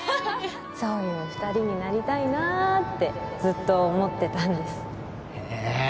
そういう二人になりたいなってずっと思ってたんですえ